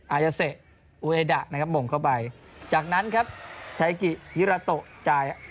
อายาเสะอูเอดะนะครับมงเข้าไปจากนั้นครับไทกิฮิราโตจ่าย